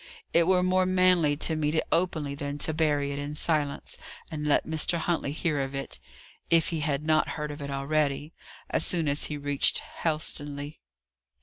It were more manly to meet it openly than to bury it in silence, and let Mr. Huntley hear of it (if he had not heard of it already) as soon as he reached Helstonleigh.